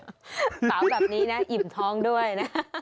สาวแบบนี้นะอิ่มท้องด้วยนะ